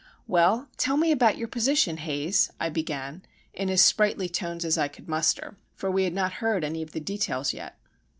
"Well, tell me about your position, Haze," I began, in as sprightly tones as I could muster; for we had not heard any of the details yet.